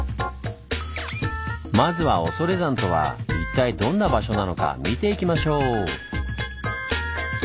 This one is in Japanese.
まずは恐山とは一体どんな場所なのか見ていきましょう！